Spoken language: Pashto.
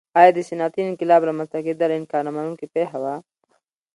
ایا د صنعتي انقلاب رامنځته کېدل انکار نه منونکې پېښه وه.